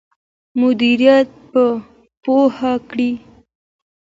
مدیریت په پوهه کیږي.